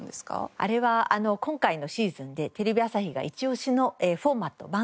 あれは今回のシーズンでテレビ朝日がイチオシのフォーマット